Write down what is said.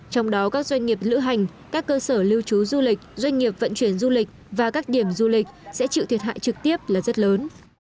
trong đó các doanh nghiệp lữ hành các cơ sở lưu trú du lịch doanh nghiệp vận chuyển du lịch và các điểm du lịch sẽ chịu thiệt hại trực tiếp là rất lớn